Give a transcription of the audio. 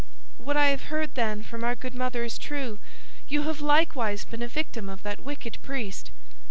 "What I have heard, then, from our good mother is true; you have likewise been a victim of that wicked priest."